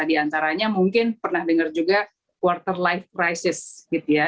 di antaranya mungkin pernah dengar juga quarter life crisis gitu ya